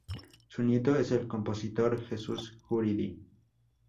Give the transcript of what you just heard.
Su nieto es el compositor Jesús Guridi.